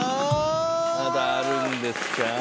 まだあるんですか？